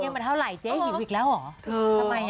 มาเท่าไหร่เจ๊หิวอีกแล้วเหรอ